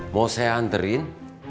mau saya anterin